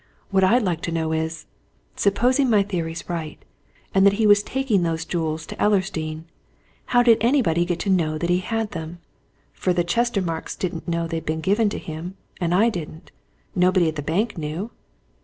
What I'd like to know is supposing my theory's right, and that he was taking these jewels to Ellersdeane, how did anybody get to know that he had them? For the Chestermarkes didn't know they'd been given to him, and I didn't nobody at the bank knew."